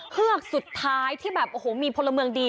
เฮือกสุดท้ายที่แบบโอ้โหมีพลเมืองดี